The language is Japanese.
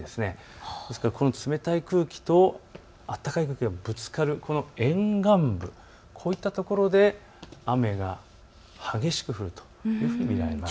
この冷たい空気と暖かい空気がぶつかる、この沿岸部、こういったところで雨が激しく降るというふうに見られます。